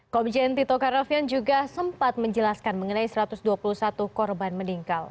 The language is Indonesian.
komjen tito karnavian juga sempat menjelaskan mengenai satu ratus dua puluh satu korban meninggal